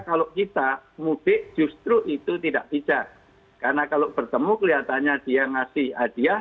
kalau kita mudik justru itu tidak bijak karena kalau bertemu kelihatannya dia ngasih hadiah